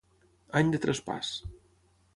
Any de traspàs.